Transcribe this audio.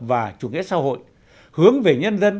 và chủ nghĩa xã hội hướng về nhân dân